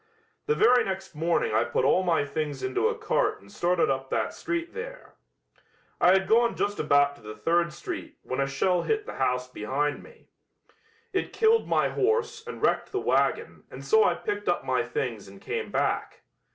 "The very next morning I put all my things into a cart and started up that street there. I had gone just about to the third street when a shell hit the house behind me. It killed my horse and wrecked the wagon and so I picked up my things and came back.